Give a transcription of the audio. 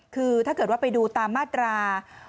คือถ้าเกิดว่าไปดูตามมาตรา